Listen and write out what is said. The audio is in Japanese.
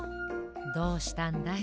どうしたんだい？